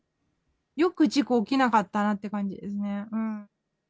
よく事故起きなかったなって感じですね。